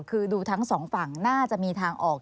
คือดูทั้งสองฝั่งน่าจะมีทางออก